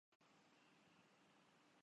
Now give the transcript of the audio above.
food services کے ساتھ ایک معاہدے پر دستخط کیے ہیں